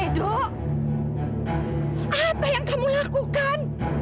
ido tuh cuman lindungi camilla doang